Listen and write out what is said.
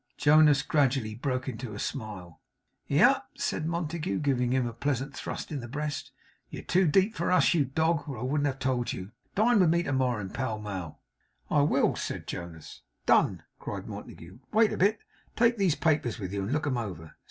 Jonas gradually broke into a smile. 'Yah!' said Montague, giving him a pleasant thrust in the breast; 'you're too deep for us, you dog, or I wouldn't have told you. Dine with me to morrow, in Pall Mall!' 'I will' said Jonas. 'Done!' cried Montague. 'Wait a bit. Take these papers with you and look 'em over.